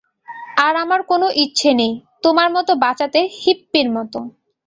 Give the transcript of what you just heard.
আর আমার কোনো ইচ্ছে নেই তোমার মতো বাঁচাতে, হিপ্পির মতো,!